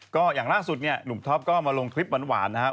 ก็อย่างล่าสุดเนี่ยหนุ่มท็อปก็มาลงคลิปหวานนะครับ